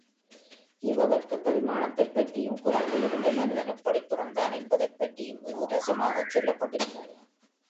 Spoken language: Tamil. ஜீவ வர்க்க பரிணாமத்தைப் பற்றியும் குரங்கிலிருந்து மனிதன் எப்படிப் பிறந்தான் என்பதைப் பற்றியும் வெகு ரசமாகச் சொல்லப்பட்டிருந்தது.